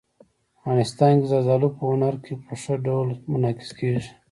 افغانستان کې زردالو په هنر کې په ښه ډول منعکس کېږي.